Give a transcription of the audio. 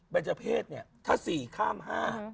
เบญเจอร์เพศถ้า๔ข้ามา๕